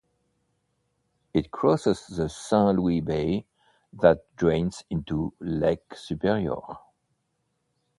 It crosses the Saint Louis Bay that drains into Lake Superior.